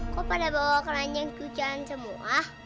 kok pada bawa keranjang hujan semua